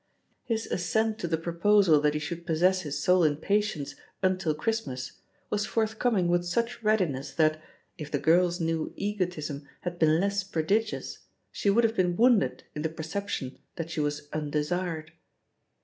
His assent to the proposal that he should pos* sess his soul in patience until Christmas, was forthcoming with such readiness that, if the girl's new egotism had been less prodigious, she would have been wounded in the perception that she was undesired.